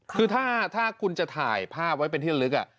คือถ้าคุณจะถ่ายภาพไว้ในที่นั้นลึก